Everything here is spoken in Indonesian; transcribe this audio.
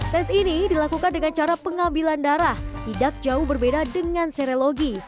tes ini dilakukan dengan cara pengambilan darah tidak jauh berbeda dengan serelogi